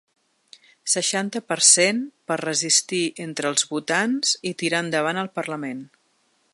Seixanta per cent Per resistir entre els votants i tirar endavant al parlament.